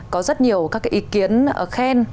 có rất nhiều các ý kiến khen